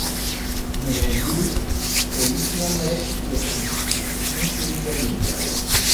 Mi dezirus, ke vi ĉiam restu tie ĉi, mi subite diris.